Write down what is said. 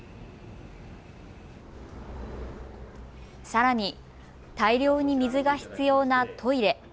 さらに大量に水が必要なトイレ。